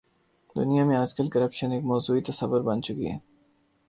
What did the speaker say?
دنیا میں آج کل کرپشن ایک موضوعی تصور بن چکی ہے۔